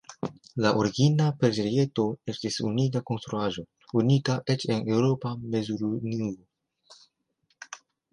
La origina preĝejeto estis unika konstruaĵo, unika eĉ en eŭropa mezurunuo.